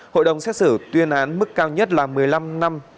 hội đồng xét xử tuyên án mức cao nhất là một mươi năm năm